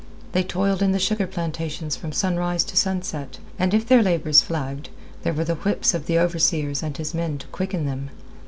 They toiled in the sugar plantations from sunrise to sunset, and if their labours flagged, there were the whips of the overseer and his men to quicken them.